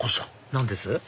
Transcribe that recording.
何です？